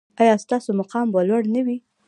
ایا ستاسو مقام به لوړ نه وي؟